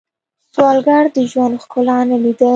سوالګر د ژوند ښکلا نه لیدلې